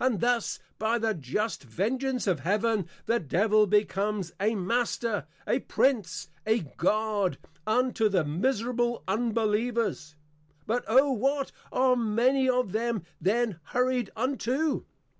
_ And thus, by the just vengeance of Heaven, the Devil becomes a Master, a Prince, a God, unto the miserable Unbelievers: but O what are many of them then hurried unto!